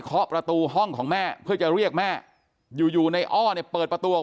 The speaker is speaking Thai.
ประตูห้องของแม่เพื่อจะเรียกแม่อยู่อยู่ในอ้อเนี่ยเปิดประตูออก